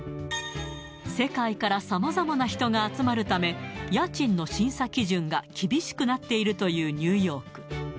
世界からさまざまな人が集まるため、家賃の審査基準が厳しくなっているというニューヨーク。